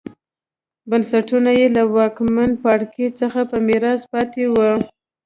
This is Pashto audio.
بنسټونه یې له واکمن پاړکي څخه په میراث پاتې وو